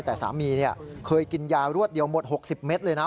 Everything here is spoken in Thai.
แต่สามีเคยกินยารวดเดียวหมด๖๐เม็ดเลยนะ